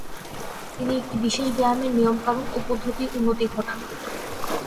তিনি একটি বিশেষ ব্যায়ামের নিয়ম কানুন ও পদ্ধতির উন্নতি ঘটান।